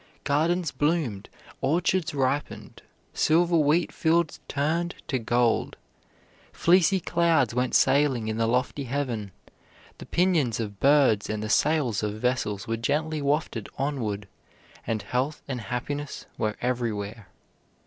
Gardens bloomed, orchards ripened, silver wheat fields turned to gold, fleecy clouds went sailing in the lofty heaven, the pinions of birds and the sails of vessels were gently wafted onward, and health and happiness were everywhere.